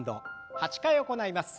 ８回行います。